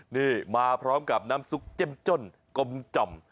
นี่มาพร้อมกับน้ำซุปเจ้มจ้นกลมจ่อม